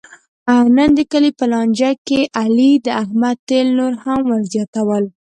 نن د کلي په لانجه کې علي د احمد تېل نور هم ور زیاتول.